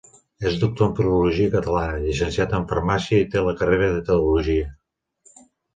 És doctor en filologia catalana, llicenciat en farmàcia i té la carrera de teologia.